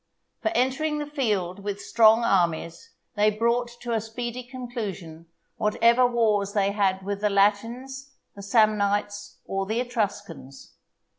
For entering the field with strong armies, they brought to a speedy conclusion whatever wars they had with the Latins, the Samnites, or the Etruscans.